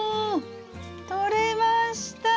とれました！